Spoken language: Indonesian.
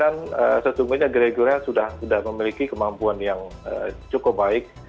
dan sesungguhnya gregoria sudah memiliki kemampuan yang cukup baik